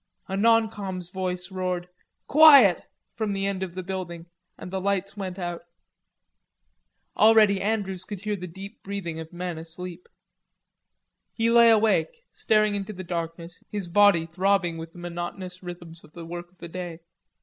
A non com's voice roared: "Quiet," from the end of the building, and the lights went out. Already Andrews could hear the deep breathing of men asleep. He lay awake, staring into the darkness, his body throbbing with the monotonous rhythms of the work of the day.